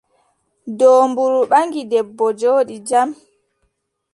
Doombru ɓaŋgi debbo, jooɗi jam.